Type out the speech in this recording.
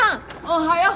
おはよう。